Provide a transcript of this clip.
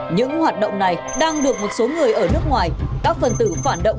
những hoạt động này đang được một số người ở nước ngoài các phần tử phản động